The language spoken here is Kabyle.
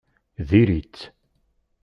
Diri-tt!